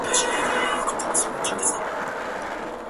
It is often used in the management of hypertension and edema.